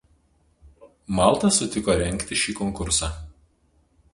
Malta sutiko rengti šį konkursą.